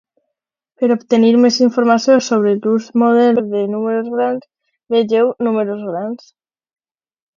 Per obtenir més informació sobre l'ús modern de números grans, vegeu Números grans.